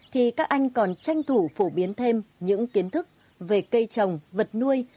thì các anh còn tranh thủ phổ biến thêm những kiến thức về cây trồng vật nuôi